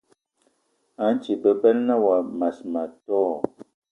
A nti bebela na wa mas ma tó?